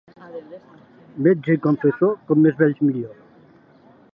Metge i confessor, com més vells, millor.